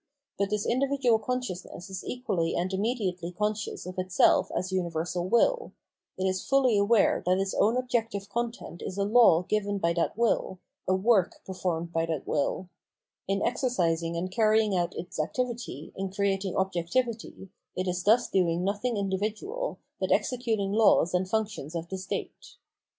But this individual con sciousness is equally and immediately conscious of itself as universal will; it is fully aware that its own objective content is a law given by that will, a work performed by that will ; in exercising and carrying out its activity, in creating objectivity, it is thus doing nothing individual, but executing laws and functions of the state.